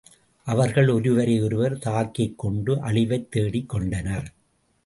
அவர்கள் ஒருவரை ஒருவர் தாக்கிக்கொண்டு அழிவைத் தேடிக் கொண்டனர்.